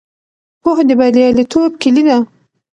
پوهه د بریالیتوب کیلي ده.